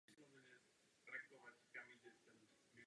Vedle divadla se objevoval též ve filmu a televizi.